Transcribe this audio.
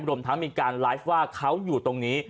รวมทั้งมีการไลฟ์ว่าเขาอยู่ตรงนี้